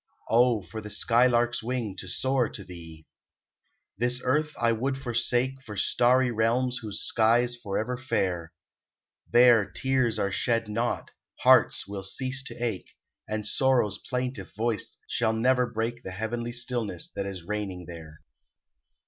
Oh, for the sky lark's wing to soar to thee! This earth I would forsake For starry realms whose sky's forever fair; There, tears are shed not, hearts will cease to ache, And sorrow's plaintive voice shall never break The heavenly stillness that is reigning there.